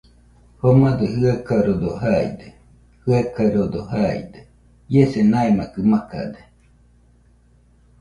Jomadɨ jɨaɨkaɨrodo jaide, jaɨkaɨrodo jaide. Iese maimakɨ makade.